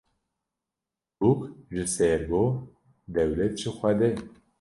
Bûk ji sêrgo dewlet ji Xwedê